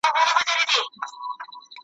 یا به چړې وي د قصابانو `